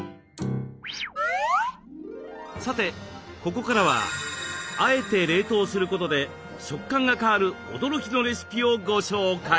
さてここからは「あえて冷凍」することで食感が変わる驚きのレシピをご紹介。